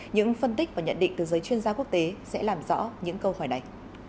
những phân tích và nhận định từ giới chuyên gia quốc tế sẽ làm rõ những câu hỏi này